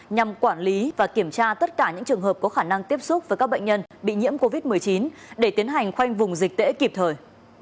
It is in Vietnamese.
nhằm quản lý và kiểm tra tất cả những trường hợp có khả năng tiếp xúc với các bệnh nhân bị nhiễm covid một mươi chín để tiến hành khoanh vùng dịch tễ kịp thời